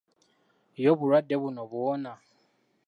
Ye obulwadde buno buwona?